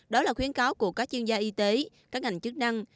đó là khuyến cáo của các chuyên gia y tế các ngành chức năng